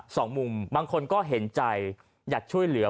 สองมุมบางคนก็เห็นใจอยากช่วยเหลือ